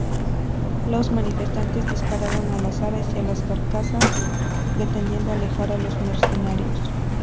Los manifestantes dispararon al azar hacia las barcazas, pretendiendo alejar a los mercenarios.